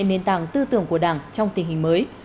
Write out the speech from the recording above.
nền tảng tư tưởng của đảng trong tình hình mới